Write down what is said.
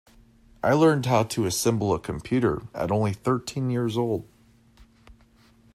I learned how to assemble a computer at only thirteen years old.